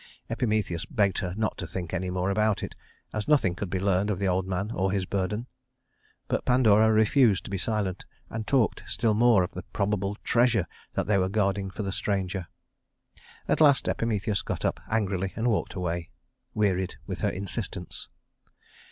Epimetheus begged her not to think any more about it, as nothing could be learned of the old man or his burden; but Pandora refused to be silent, and talked still more of the probable treasure that they were guarding for the stranger. At last Epimetheus got up angrily and walked away, wearied with her insistence.